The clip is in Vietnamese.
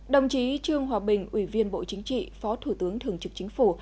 đồng chí trương hòa bình ủy viên bộ chính trị phó thủ tướng thường trực chính phủ